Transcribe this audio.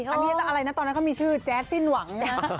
อันนี้อะไรนะตอนนั้นเขามีชื่อแจ๊ดสิ้นหวัง